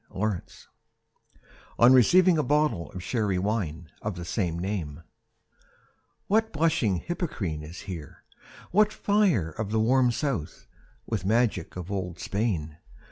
DON QUIXOTE On receiving a bottle of Sherry Wine of the same name What "blushing Hippocrene" is here! what fire Of the "warm South" with magic of old Spain!